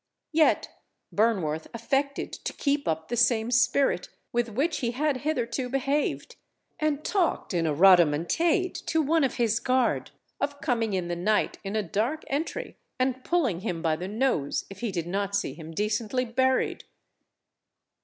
Yet Burnworth affected to keep up the same spirit with which he had hitherto behaved, and talked in a rhodomantade to one of his guard, of coming in the night in a dark entry, and pulling him by the nose, if he did not see him decently buried.